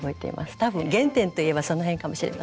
多分原点といえばその辺かもしれませんね。